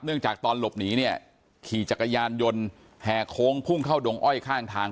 จากตอนหลบหนีเนี่ยขี่จักรยานยนต์แห่โค้งพุ่งเข้าดงอ้อยข้างทาง